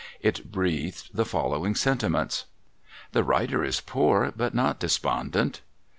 It hreathed the following sentiments :' The writer is poor, hut not despondent.